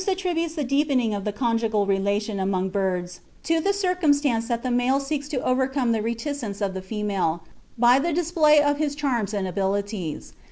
Groos attributes the deepening of the conjugal relation among birds to the circumstance that the male seeks to overcome the reticence of the female by the display of his charms and abilities.